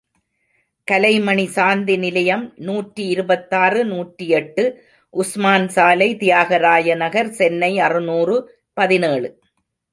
கலைமணி சாந்தி நிலையம் நூற்றி இருபத்தாறு நூற்றி எட்டு, உஸ்மான் சாலை, தியாகராய நகர், சென்னை அறுநூறு பதினேழு .